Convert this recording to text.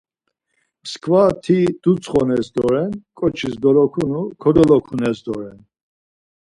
Mskva ti dutsxones doren, ǩoçiş dolokunu kodolokunes doren.